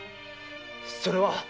それは。